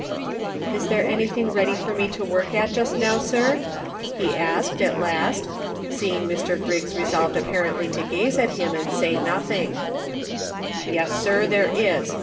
" Is there anything ready for me to work at just now, sir .''" he asked, at last, seeing Mr. Griggs re solved apparently to gaze at him, and say nothing, " Yes, sir, there is.